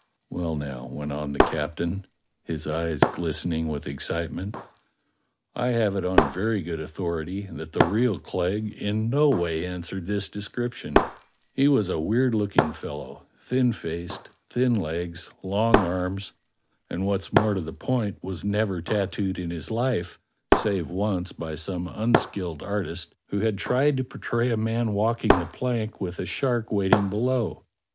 "Well, now," went on the captain, his eyes glistening with excitement, "I have it on very good authority that the real Clegg in no way answered this description: he was a weird looking fellow; thin faced, thin legs, long arms, and, what's more to the point, was never tattooed in his life save once by some unskilled artist who had tried to portray a man walking the plank w^ith a shark waiting below.